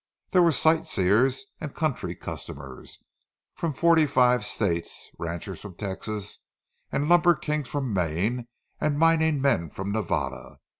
There were sight seers and "country customers" from forty five states; ranchers from Texas, and lumber kings from Maine, and mining men from Nevada.